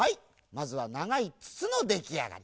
まずはながいつつのできあがり。